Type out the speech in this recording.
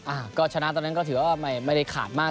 อะก็เฉนะตอนนั้นก็ถือว่าไม่ได้ขาดกันมาก